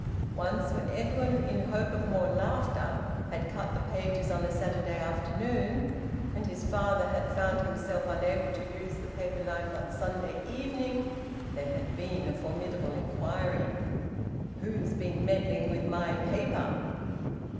Once when Edwin, in hope of more laughter, had cut the pages on a Saturday afternoon, and his father had found himself unable to use the paper knife on Sunday evening, there had been a formidable inquiry: "Who's been meddling with my paper?"